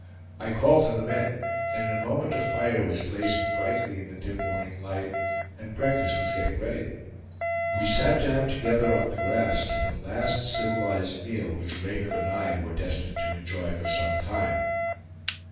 I called to the men, and in a moment a fire was blazing brightly in the dim morning light, and breakfast was getting ready. We sat down together on the grass, to the last civilized meal which Raymond and I were destined to enjoy for some time.